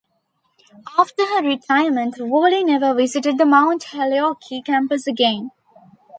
After her retirement, Woolley never visited the Mount Holyoke campus again.